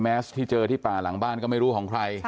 สที่เจอที่ป่าหลังบ้านก็ไม่รู้ของใคร